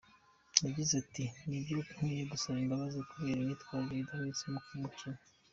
Yagize ati “Nibyo nkwiye gusaba imbabazi kubera imyitwarire idahwitse mu mukino.